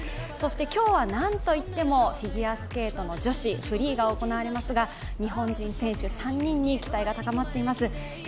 そして今日はなんといってもフィギュアスケートの女子フリーが行われますが日本人選手３人に期待が高まっています。